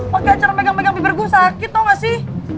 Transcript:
pake acara megang megang bibir gue sakit tau gak sih